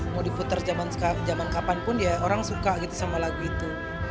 mau diputar zaman kapanpun ya orang suka gitu sama lagu itu